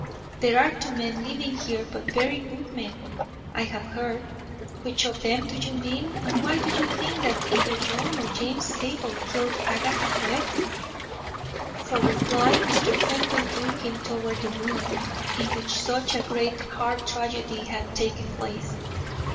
"There are two men living here, both very good men, I have heard. Which of them do you mean, and why do you think that either John or James Zabel killed Agatha Webb?" For reply Mr. Fenton drew him toward the room in which such a great heart tragedy had taken place.